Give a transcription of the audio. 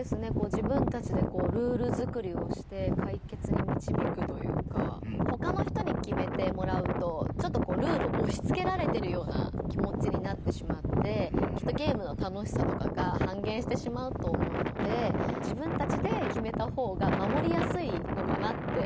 自分たちでこうルール作りをして解決にみちびくというかほかの人に決めてもらうとちょっとこうルールをおしつけられてるような気もちになってしまってきっとゲームの楽しさとかが半減してしまうと思うので自分たちで決めた方がまもりやすいのかなって思いましたね。